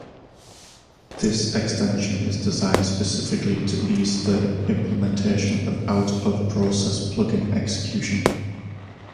This extension is designed specifically to ease the implementation of out-of-process plugin execution.